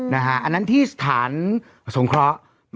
อันนั้นที่สถานสงเคราะห์